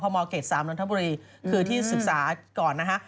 มเกต๓นทบุรีคือที่ศึกษาก่อนนะฮะ